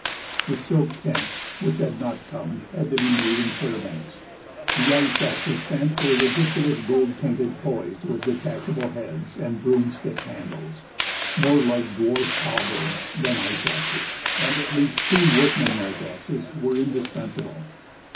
The silk tents, which had not come, had to be made in Fairbanks; the ice axes sent were ridiculous gold painted toys with detachable heads and broomstick handles more like dwarf halberds than ice axes; and at least two workmanlike axes were indispensable.